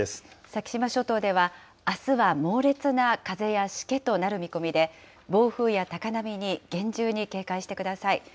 先島諸島では、あすは猛烈な風やしけとなる見込みで、暴風や高波に厳重に警戒してください。